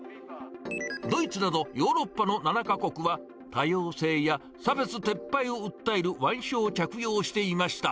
ドイツなどヨーロッパの７か国は、多様性や差別撤廃を訴える腕章を着用していました。